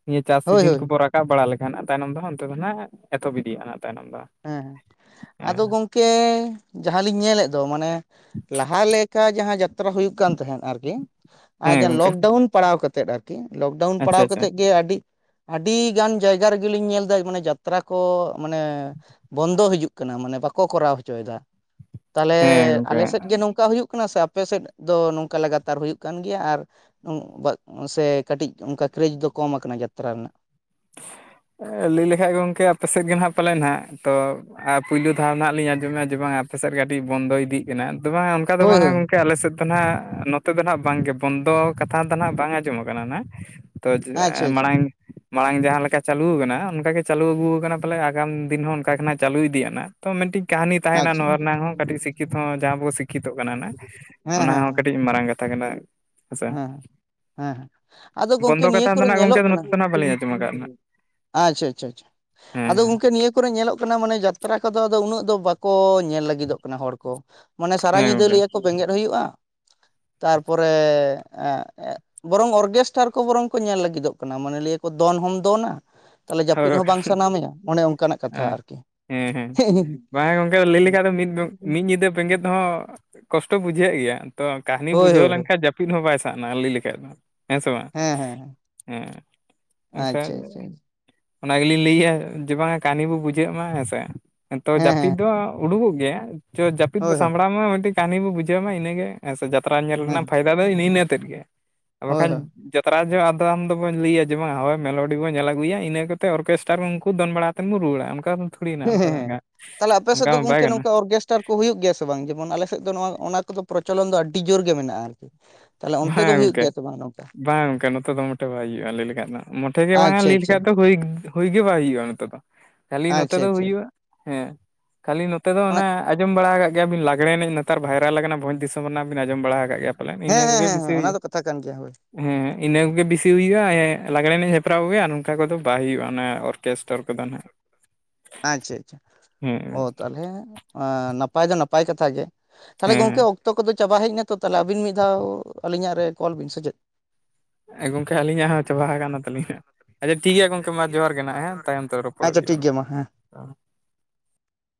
ᱱᱤᱭᱟᱹ ᱪᱟᱥ ᱦᱳᱭ ᱥᱤᱡᱤᱱ ᱦᱳᱭ ᱠᱚᱵᱚ ᱨᱟ ᱨᱟᱠᱟᱵ ᱵᱟᱲᱟ ᱞᱮᱠᱷᱟ ᱟᱨ ᱛᱟᱭᱱᱚᱢ ᱱᱟᱜ ᱚᱱᱛᱮ ᱫᱚ ᱱᱟᱦᱟᱜ ᱮᱛᱚᱦᱚᱵ ᱤᱫᱤᱜᱼᱟ ᱱᱟᱜ ᱛᱟᱭᱱᱚᱢ ᱫᱚ᱾ ᱦᱮᱸ ᱦᱮ ᱟᱫᱚ ᱦᱮᱸ ᱜᱚᱝᱠᱮ ᱡᱟᱦᱟᱸᱞᱤᱧ ᱧᱮᱞᱮᱫ ᱫᱚ ᱢᱟᱱᱮ ᱞᱟᱦᱟ ᱞᱮᱠᱟ ᱡᱟᱦᱟᱸ ᱡᱟᱛᱨᱟ ᱦᱩᱭᱩᱜ ᱠᱟᱱ ᱛᱟᱦᱮᱸᱫ ᱟᱨᱠᱤ᱾ ᱟᱨ ᱦᱮᱸ ᱡᱟ ᱜᱚᱝᱠᱮ ᱞᱚᱠᱰᱟᱣᱩᱱ ᱯᱟᱲᱟᱣ ᱠᱟᱛᱮᱫ ᱟᱨᱠᱤ ᱞᱚᱠᱰᱟᱣᱩᱱ ᱟᱪᱪᱷᱟ ᱯᱟᱲᱟᱣ ᱟᱪᱪᱷᱟ ᱠᱟᱛᱮᱫ ᱜᱮ ᱟᱹᱰᱤ ᱟᱹᱰᱤ ᱜᱟᱱ ᱡᱟᱭᱜᱟ ᱨᱮᱜᱮᱞᱤᱧ ᱧᱮᱞ ᱫᱟ ᱢᱟᱱᱮ ᱡᱟᱛᱨᱟ ᱠᱚ ᱢᱟᱱᱮ ᱵᱚᱱᱫᱚ ᱦᱤᱡᱩᱜ ᱠᱟᱱᱟ ᱢᱟᱱᱮ ᱵᱟᱠᱚ ᱠᱚᱨᱟᱣ ᱦᱚᱪᱚᱭᱮᱫᱟ᱾ ᱛᱟᱦᱚᱞᱮ ᱦᱮᱸ ᱜᱚᱝᱠᱮ ᱟᱞᱮ ᱥᱮᱫ ᱜᱮ ᱱᱚᱝᱠᱟ ᱦᱩᱭᱩᱜ ᱠᱟᱱᱟ ᱥᱮ ᱟᱯᱮ ᱥᱮᱫ ᱫᱚ ᱱᱚᱝᱠᱟ ᱞᱟᱜᱟᱛᱟᱨ ᱦᱩᱭᱩᱜ ᱠᱟᱱ ᱜᱮᱭᱟ ᱟᱨ [unintelligible] ᱥᱮ ᱠᱟᱹᱴᱤᱡ ᱚᱱᱠᱟ ᱠᱨᱮᱡᱽ ᱫᱚ ᱠᱚᱢ ᱟᱠᱟᱱᱟ ᱡᱟᱛᱨᱟ ᱨᱮᱱᱟᱜ? ᱞᱟᱹᱭ ᱞᱮᱠᱷᱟᱡ ᱜᱚᱝᱠᱮ ᱟᱯᱮ ᱥᱮᱫ ᱜᱮ ᱱᱟᱜ ᱯᱟᱞᱮᱱ ᱱᱟᱦᱟᱜ ᱛᱚᱼᱼ ᱟᱨ ᱯᱳᱭᱞᱳ ᱫᱷᱟᱣ ᱱᱟᱦᱟᱜ ᱞᱤᱧ ᱟᱸᱡᱚᱢᱮᱜ-ᱟ ᱡᱮ ᱵᱟᱝ ᱟᱯᱮ ᱥᱮᱱ ᱠᱟᱹᱴᱤᱡ ᱵᱚᱱᱫᱚ ᱤᱫᱤᱜ ᱠᱟᱱᱟ, ᱛᱚ ᱵᱟᱝ ᱚᱱᱠᱟ ᱫᱚ ᱦᱳᱭ ᱵᱟᱝᱟ ᱦᱳᱭ ᱜᱚᱝᱠᱮ᱾ ᱠᱮ ᱟᱞᱮ ᱥᱮᱫ ᱫᱚ ᱱᱟᱦᱟᱸᱜ ᱱᱚᱛᱮ ᱫᱚ ᱱᱟᱦᱟᱜ ᱵᱟᱝᱜᱮ ᱵᱚᱱᱫᱚ ᱠᱟᱛᱷᱟ ᱫᱚ ᱱᱟᱦᱟᱜ ᱵᱟᱝ ᱟᱸᱡᱚᱢ ᱠᱟᱱᱟ ᱱᱟᱦᱟᱜ ᱾ ᱛᱚ ᱟᱪᱪᱷᱟ ᱟᱪᱪᱷᱟ ᱢᱟᱲᱟᱝ ᱢᱟᱲᱟᱝ ᱡᱟᱦᱟᱸ ᱞᱮᱠᱟ ᱪᱟᱹᱞᱩ ᱟᱠᱟᱱᱟ ᱚᱱᱠᱟ ᱜᱮ ᱪᱟᱹᱞᱩ ᱟᱹᱜᱩ ᱟᱠᱟᱱᱟ ᱯᱟᱞᱮ ᱟᱜᱟᱢ ᱫᱤᱱ ᱦᱚᱸ ᱚᱱᱠᱟᱜᱮ ᱱᱟᱦᱟᱜ ᱪᱟᱞᱩ ᱤᱫᱤᱜ-ᱟ ᱱᱟᱸᱜ᱾ ᱛᱚ ᱢᱤᱫᱴᱤᱡ ᱠᱟᱹᱦᱱᱤ ᱛᱟᱦᱮᱱᱟ ᱟᱪᱪᱷᱟ ᱱᱚᱣᱟ ᱨᱮᱱᱟᱜ ᱦᱚᱸ ᱠᱟᱹᱴᱤᱡ ᱥᱤᱠᱠᱷᱤᱛᱚ ᱦᱚᱸ ᱡᱟᱦᱟᱸ ᱵᱚ ᱥᱤᱠᱠᱷᱤᱛᱚᱜ ᱠᱟᱱᱟ ᱱᱟᱜ᱾ ᱦᱮᱸ ᱚᱱᱟ ᱦᱮᱸ ᱦᱚᱸ ᱠᱟᱴᱤᱡ ᱢᱟᱨᱟᱝ ᱠᱟᱛᱷᱟ ᱠᱟᱱᱟ᱾ ᱦᱮᱸᱥᱮ ᱦᱮᱸ ᱦᱮᱸ ᱟᱫᱚ ᱜᱚᱝᱠᱮ ᱵᱚᱱᱫᱚ ᱱᱤᱭᱟᱹ ᱠᱟᱛᱷᱟ ᱫᱚ ᱠᱚᱨᱮ ᱱᱟᱦᱟᱜ ᱜᱚᱝᱠᱮ ᱧᱮᱞᱚᱜ ᱠᱟᱱᱟ᱾ ᱱᱚᱛᱮ ᱫᱚ ᱱᱟᱦᱟᱜ ᱵᱟᱹᱞᱤᱧ ᱟᱸᱡᱚᱢ ᱟᱠᱟᱫᱼᱟ ᱱᱟᱦᱟᱜ ᱟᱪᱪᱷᱟ ᱟᱪᱪᱷᱟ ᱪᱷᱟ ᱟᱫᱚ ᱦᱮᱸ ᱜᱚᱝᱠᱮ ᱱᱤᱭᱟᱹ ᱠᱚᱨᱮ ᱧᱮᱞᱚᱜ ᱠᱟᱱᱟ ᱢᱟᱱᱮ ᱡᱟᱛᱨᱟ ᱠᱚᱫᱚ ᱟᱫᱚ ᱩᱱᱟᱹᱜ ᱫᱚ ᱵᱟᱠᱚ ᱧᱮᱞ ᱞᱟᱹᱜᱤᱫᱚᱜ ᱠᱟᱱᱟ ᱦᱚᱲ ᱠᱚ᱾ ᱢᱟᱱᱮ ᱥᱟᱨᱟ ᱦᱮᱸ ᱧᱤᱫᱟᱹ ᱜᱚᱝᱠᱮ ᱞᱟᱹᱭᱟᱠᱚ ᱵᱮᱸᱜᱮᱱ ᱦᱩᱭᱩᱜᱼᱟ, ᱛᱟᱨᱯᱚᱨᱮ ᱵᱚᱨᱚᱝ ᱚᱨᱜᱮᱥᱴᱟᱨ ᱠᱚ ᱵᱚᱨᱚᱝ ᱠᱚ ᱧᱮᱞ ᱞᱟᱹᱜᱤᱫᱚᱜ ᱠᱟᱱᱟ ᱢᱟᱱᱮ ᱞᱤᱭᱟᱹ ᱠᱚ ᱫᱚᱱ ᱦᱚᱢ ᱫᱚᱱᱟ᱾ ᱛᱟᱦᱚᱞᱮ ᱡᱟᱹᱯᱤᱫ ᱦᱳᱭ ᱦᱚᱸ ᱵᱟᱝ ᱥᱟᱱᱟᱢᱮᱭᱟ ᱚᱱᱮ ᱚᱱᱠᱟᱱᱟᱜ ᱠᱟᱛᱷᱟ᱾ ᱦᱮᱸ ᱟᱨᱠᱤ ᱦᱮᱸ ᱦᱮᱸ, ᱵᱟᱝᱟ ᱜᱚᱝᱠᱮ ᱞᱟᱹᱭ ᱞᱮᱠᱷᱟᱡ ᱫᱚ ᱢᱤᱫ [unintelligible] ᱧᱤᱫᱟᱹ ᱵᱮᱸᱜᱮᱫ ᱦᱚᱸ ᱠᱚᱥᱴᱚ ᱵᱩᱡᱷᱟᱹᱜ ᱜᱮᱭᱟ ᱛᱚ ᱠᱟᱦᱱᱤ ᱦᱳᱭ ᱵᱩᱡᱷᱟᱹᱣ ᱦᱳᱭ ᱦᱳᱭ ᱞᱮᱱᱠᱷᱟᱡ ᱡᱟᱯᱤᱫ ᱯᱤᱱ ᱦᱚᱸ ᱵᱟᱭ ᱥᱟᱜᱱᱟᱣᱟ ᱞᱟᱹᱭ ᱞᱮᱠᱷᱟᱡ ᱫᱚ᱾ ᱦᱮᱸ ᱥᱮ ᱵᱟᱝ, ᱦᱮᱸ ᱦᱮᱸ ᱦᱮᱸ ᱮᱱᱠᱷᱟᱱ ᱟᱪᱪᱷᱟ ᱟᱪᱪᱷᱟ ᱦᱮᱸ ᱚᱱᱟ ᱜᱮᱞᱤᱧ ᱞᱟᱹᱭᱮᱜ-ᱟ ᱡᱮ ᱵᱟᱝᱟ ᱠᱟᱹᱦᱱᱤ ᱠᱚ ᱵᱩᱡᱷᱟᱹᱜ ᱢᱟ ᱦᱮᱸ ᱥᱮ᱾ ᱛᱚ ᱡᱟᱹᱯᱤᱫ ᱦᱮᱸ ᱫᱚ ᱩᱰᱩᱠᱚᱜ ᱜᱮᱭᱟ ᱛᱚ ᱡᱟᱹᱯᱤᱫ ᱵᱚ ᱦᱳᱭ ᱦᱳᱭ ᱥᱟᱢᱵᱽᱲᱟᱣ ᱢᱟ ᱢᱤᱫᱴᱤᱡ ᱠᱟᱦᱱᱤ ᱵᱚ ᱵᱩᱡᱷᱟᱹᱣ ᱢᱟ ᱤᱱᱟᱹᱜᱮ᱾ ᱦᱮᱸ ᱥᱮ ᱡᱟᱛᱨᱟ ᱧᱮᱞ ᱨᱮᱱᱟᱜ ᱦᱮᱸ ᱯᱷᱟᱭᱫᱟ ᱫᱚ ᱤᱱᱤᱱᱟᱹᱛᱮᱫ ᱜᱮ ᱟᱨ ᱦᱳᱭ ᱵᱟᱠᱷᱟᱧ ᱦᱳᱭ ᱡᱟᱛᱨᱟ ᱡᱚᱜ ᱟᱫᱚ ᱟᱢᱫᱚ ᱫᱚᱵᱚ ᱞᱟᱹᱭᱟ ᱡᱮ ᱵᱟᱝ ᱦᱳᱭ ᱢᱮᱞᱳᱰᱤ ᱵᱚᱱ ᱧᱮᱞ ᱟᱹᱜᱩᱭᱟ ᱤᱱᱟᱹ ᱠᱟᱛᱮ ᱚᱨᱠᱮᱥᱴᱟᱨ ᱩᱱᱠᱩ ᱫᱚᱱ ᱵᱟᱲᱟ᱾ ᱠᱟᱛᱮᱱ ᱵᱚ ᱨᱩᱣᱟᱹᱲᱟ ᱚᱱᱠᱟ ᱛᱷᱩᱲᱤᱱᱟ ᱦᱮᱸ ᱚᱱᱠᱟ ᱫᱚ ᱦᱮᱸ ᱚᱱᱠᱟ ᱢᱟ ᱵᱟᱭ ᱜᱟᱱᱚᱜ᱾ ᱴᱟᱨ ᱠᱚ ᱦᱩᱭᱩᱜ ᱜᱮᱭᱟ ᱥᱮ ᱵᱟᱝ ᱡᱮᱢᱚᱱ ᱟᱞᱮ ᱥᱮᱫ ᱫᱚ ᱱᱚᱣᱟ ᱚᱱᱟ ᱠᱚᱫᱚ ᱯᱨᱚᱪᱚᱞᱚᱱ ᱫᱚ ᱟᱰᱰᱤ ᱡᱳᱨ ᱜᱮ ᱢᱮᱱᱟᱜᱼᱟ ᱟᱨᱠᱤ᱾ ᱛᱟᱦᱚᱞᱮ ᱚᱱᱛᱮ ᱫᱚ ᱦᱩᱭᱩᱜ ᱜᱮᱭᱟ ᱥᱮ ᱵᱟᱝ ᱟᱱᱟ? ᱵᱟᱝ-ᱟ ᱜᱚᱝᱠᱮ ᱱᱚᱛᱮ ᱫᱚ ᱢᱚᱴᱮ ᱵᱟᱭ ᱦᱩᱭᱩᱜᱼᱟ ᱞᱟᱹᱭ ᱞᱮᱠᱷᱟᱡ ᱫᱚ ᱢᱚᱴᱷᱮ ᱜᱮ ᱵᱟᱝ-ᱟ ᱟᱪᱪᱷᱟ ᱞᱟᱹᱭ ᱟᱪᱪᱷᱟ ᱞᱮᱠᱷᱟᱡ ᱫᱚ ᱦᱩᱭ ᱦᱩᱭ ᱜᱮ ᱵᱟᱭ ᱦᱩᱭᱩᱜᱼᱟ ᱱᱚᱛᱮ ᱫᱚ, ᱠᱷᱟᱹᱞᱤ ᱱᱚᱛᱮ ᱟᱪᱪᱷᱟ ᱫᱚ ᱟᱪᱪᱷᱟ ᱦᱩᱭᱩᱜᱼᱟ ᱦᱮᱸ ᱠᱷᱟᱹᱞᱤ ᱱᱚᱛᱮ ᱫᱚ ᱚᱱᱟ ᱟᱸᱡᱚᱢ ᱵᱟᱲᱟ ᱟᱠᱟᱜ ᱜᱮᱭᱟ ᱵᱤᱱ ᱞᱟᱜᱽᱲᱮ ᱮᱱᱮᱡ ᱱᱮᱛᱟᱨ ᱵᱷᱟᱭᱨᱟᱞ ᱟᱠᱟᱱᱟ, ᱵᱷᱚᱡᱽ ᱫᱤᱥᱚᱢ ᱨᱮᱱᱟᱜ ᱵᱤᱱ ᱟᱸᱡᱚᱢ ᱵᱟᱲᱟ ᱟᱠᱟᱫ ᱜᱮᱭᱟ ᱯᱟᱞᱮᱱ ᱤᱱᱟᱹ ᱦᱮᱸ ᱦᱮᱸ ᱠᱚᱜᱮ। ᱦᱮᱸ ᱵᱮᱥᱤ ᱚᱱᱟ ᱦᱩᱭᱩᱜᱼᱟ ᱫᱚ ᱠᱟᱛᱷᱟ ᱠᱟᱱ ᱜᱮᱭᱟ ᱦᱳᱭ। ᱦᱮᱸ ᱤᱱᱟᱹ ᱠᱚᱜᱮ ᱵᱮᱥᱤ ᱦᱩᱭᱩᱜᱼᱟ, ᱞᱟᱜᱽᱲᱮ ᱮᱱᱮᱡ ᱦᱮᱯᱨᱟᱣ ᱠᱚᱜᱮ ᱱᱚᱝᱠᱟ ᱠᱚᱫᱚ ᱵᱟᱭ ᱦᱩᱭᱩᱜᱼᱟ ᱚᱨ ᱠᱮᱥᱴᱟᱨ ᱠᱚ ᱟᱪᱪᱷᱟ ᱟᱪᱪᱷᱟ ᱚ ᱦᱮᱸ ᱛᱟᱦᱚᱞᱮ ᱟᱻ ᱱᱟᱯᱟᱭ ᱫᱚ ᱱᱟᱯᱟᱭ ᱠᱟᱛᱷᱟᱜ ᱜᱮ ᱛᱟᱞᱦᱮ ᱜᱚᱝᱠᱮ ᱦᱮᱸ ᱚᱠ ᱛᱚ ᱠᱚᱫᱚ ᱪᱟᱵᱟ ᱦᱮᱡᱱᱟ, ᱛᱚ ᱛᱟᱦᱚᱞᱮ ᱟᱹᱵᱤᱱ ᱢᱤᱫ ᱫᱷᱟᱣ ᱟᱹᱞᱤᱧᱟᱜ ᱨᱮ ᱠᱚᱞ ᱵᱤᱱ ᱥᱮ ᱪᱮᱫ? ᱜᱚᱢᱠᱮ ᱟᱹᱞᱤᱧᱟᱜ ᱦᱚᱸ ᱪᱟᱵᱟ ᱠᱟᱱᱟ ᱛᱟᱞᱤᱧᱟ, ᱟᱪᱪᱷᱟ ᱴᱷᱤᱠ ᱜᱮᱭᱟ ᱜᱚᱝᱠᱮ ᱢᱟ ᱡᱚᱦᱟᱨ ᱜᱮ ᱱᱟᱦᱟᱸᱜ ᱦᱮᱸ᱾ ᱛᱟᱭᱚᱢ ᱛᱮ ᱨᱚᱯᱚᱲᱚᱜ ᱟᱪᱪᱷᱟ ᱦᱩᱭᱩᱜ-ᱟ ᱴᱷᱤᱠ ᱦᱟᱸᱜ, ᱜᱮᱭᱟ ᱢᱟ ᱦᱮᱸ ᱦᱳᱭ᱾